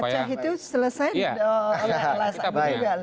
acah itu selesai oleh lsm juga loh